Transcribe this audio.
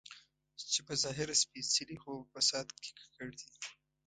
چې په ظاهره سپېڅلي خو په فساد کې ککړ دي.